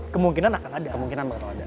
kemungkinan akan ada